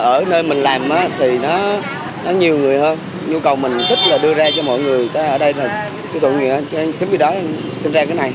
ở nơi mình làm thì nó nhiều người hơn nhu cầu mình thích là đưa ra cho mọi người ở đây là tụi mình tụi mình đó